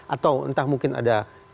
atau entah mungkin ada kelompok lain